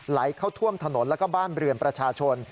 ไหลเข้าท่วมถนนแล้วก็บ้านเรือนประชาชน